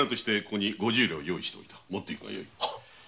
持っていくがよい。